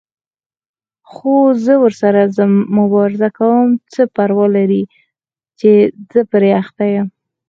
خو زه ورسره مبارزه کوم، څه پروا لري چې زه پرې اخته یم.